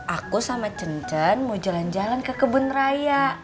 aku sama centen mau jalan jalan ke kebun raya